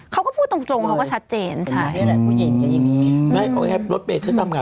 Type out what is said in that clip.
เขาบอกว่าเข้าชอบเขาก็